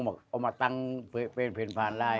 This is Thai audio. แล้วเขามาตั้งเผ็ดเผ็ดทางได้